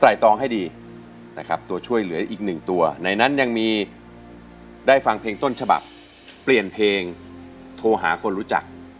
ตองให้ดีนะครับตัวช่วยเหลืออีกหนึ่งตัวในนั้นยังมีได้ฟังเพลงต้นฉบับเปลี่ยนเพลงโทรหาคนรู้จัก